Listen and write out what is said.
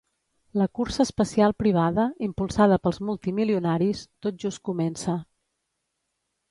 La cursa espacial privada, impulsada pels multimilionaris, tot just comença.